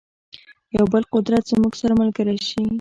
یو بل قدرت زموږ سره ملګری شي.